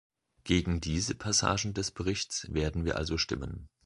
Gegen diese Passagen des Berichts werden wir also stimmen.